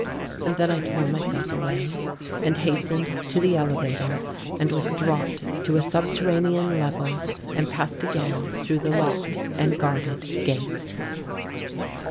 And then I tore myself away and hastened to the elevator and was dropped to a subterranean level and passed again through the locked and guarded gates.